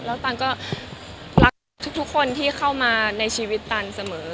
แล้วตันก็รักทุกคนที่เข้ามาในชีวิตตันเสมอ